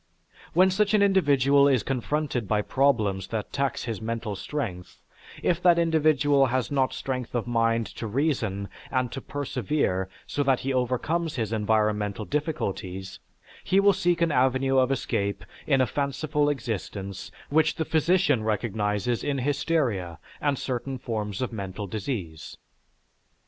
When such an individual is confronted by problems that tax his mental strength, if that individual has not strength of mind to reason and to persevere so that he overcomes his environmental difficulties, he will seek an avenue of escape in a fanciful existence which the physician recognizes in hysteria and certain forms of mental disease.